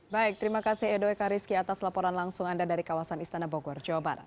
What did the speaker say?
baik terima kasih edo ekariski atas laporan langsung anda dari kawasan istana bogor jawa barat